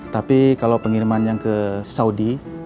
tapi kalau pengiriman yang ke saudi